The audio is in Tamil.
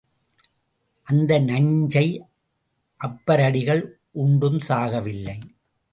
அந்த நஞ்சை அப்பரடிகள் உண்டும் சாகவில்லை.